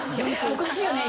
おかしいよね。